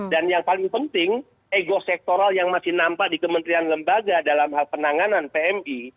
dan yang paling penting ego sektoral yang masih nampak di kementerian lembaga dalam hal penanganan pmi